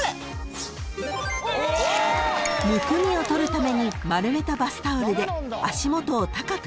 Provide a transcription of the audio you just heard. ［むくみを取るために丸めたバスタオルで］